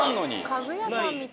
家具屋さんみたい。